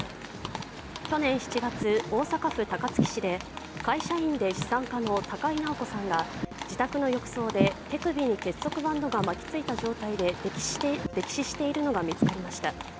去年７月、大阪府高槻市で会社員で資産家の高井直子さんが自宅の浴槽で手首に結束バンドが巻き付いた状態で溺死しているのが見つかりました。